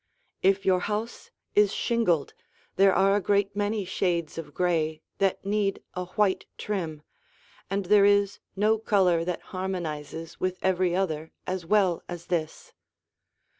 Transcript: If your house is shingled, there are a great many shades of gray that need a white trim, and there is no color that harmonizes with every other as well as this.